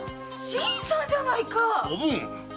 新さんじゃないか‼おぶん！